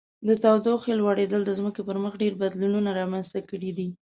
د تودوخې لوړیدل د ځمکې پر مخ ډیر بدلونونه رامنځته کړي دي.